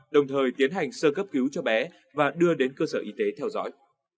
đồng thời tiến hành sơ cấp cứu cho bé và đưa đến cơ sở y tế theo dõi